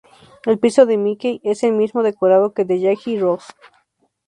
El piso de Mickey es el mismo decorado que el de Jackie y Rose.